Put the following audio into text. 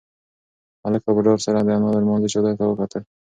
هلک په ډار سره د انا د لمانځه چادر ته وکتل.